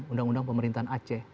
undang undang pemerintahan ac